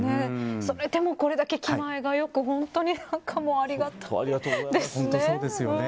それでもこれだけ気前が良く本当に、ありがたいですね。